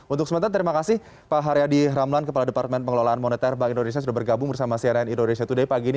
untuk sementara terima kasih pak haryadi ramlan kepala departemen pengelolaan moneter bank indonesia sudah bergabung bersama cnn indonesia today pagi ini